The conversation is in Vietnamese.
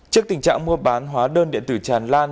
trước tình trạng mua bán hóa đơn điện tử tràn lan